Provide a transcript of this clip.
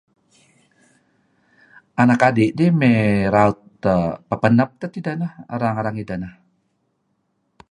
Anak adi' dih mey raut err pepenep tun tideh neh, erang-erang ideh nih.